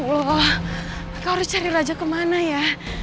ya allah kau harus cari raja kemana ya